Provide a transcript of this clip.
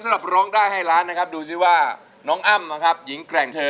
ร้องได้ให้ล้านนะครับดูสิว่าน้องอ้ำนะครับหญิงแกร่งเธอ